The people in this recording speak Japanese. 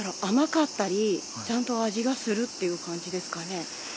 甘かったりちゃんと味がするっていう感じですかね。